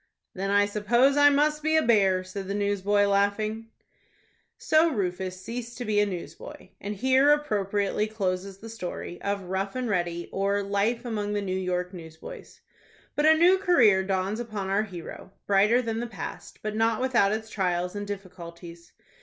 "Then I suppose I must be a bear," said the newsboy, laughing. So Rufus ceased to be a newsboy, and here appropriately closes the story of "ROUGH AND READY; or, Life among the New York Newsboys." But a new career dawns upon our hero, brighter than the past, but not without its trials and difficulties.